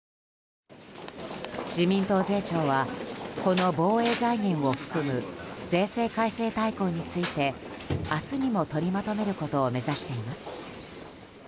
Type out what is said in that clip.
自民党税調はこの防衛財源を含む税制改正大綱について明日にも取りまとめることを目指しています。